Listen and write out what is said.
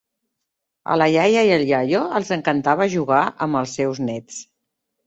A la iaia i el iaio els encantava jugar amb els seus nets.